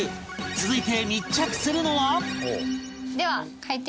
続いて密着するのは